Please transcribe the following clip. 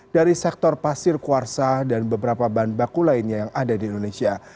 dari sektor pasir kuarsa dan beberapa bahan baku lainnya yang ada di indonesia